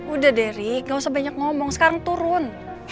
udah deh rick gak usah banyak ngomong sekarang turun